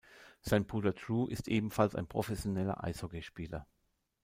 Sein Bruder Drew ist ebenfalls ein professioneller Eishockeyspieler.